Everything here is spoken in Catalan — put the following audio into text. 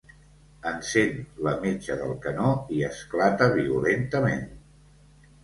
Encén la metxa del canó i esclata violentament.